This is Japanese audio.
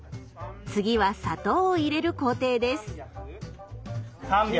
次は砂糖を入れる工程です。